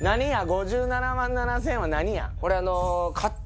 ５７万７０００は何や？